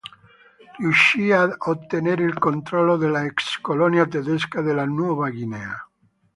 Riuscì ad ottenere il controllo dell'ex colonia tedesca della Nuova Guinea.